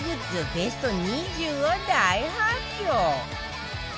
ベスト２０を大発表